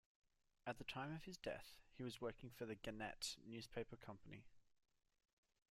At the time of his death, he was working for the Gannett newspaper company.